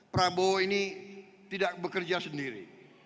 prabowo ini tidak bekerja sendiri